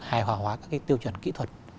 hài hòa hóa các cái tiêu chuẩn kỹ thuật